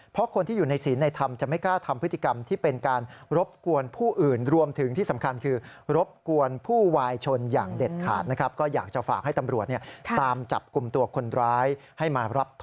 เพราะคนที่อยู่ในศีลในธรรมจะไม่กล้าทำพฤติกรรม